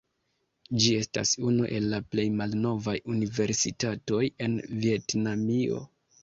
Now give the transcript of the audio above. Ĝi estas unu el la plej malnovaj universitatoj en Vjetnamio.